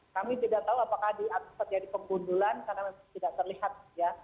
kami tidak tahu apakah di atas itu jadi pembunuhan karena tidak terlihat